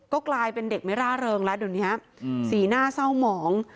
ก็กลายเป็นเด็กไม่ร่าเริงแล้วสีหน้าเศร้าหมอง